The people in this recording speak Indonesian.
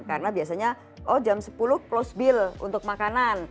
karena biasanya jam sepuluh close bill untuk makanan